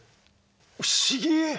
不思議！